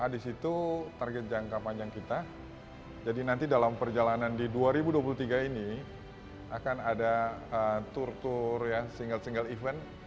di situ target jangka panjang kita jadi nanti dalam perjalanan di dua ribu dua puluh tiga ini akan ada tour tour single single event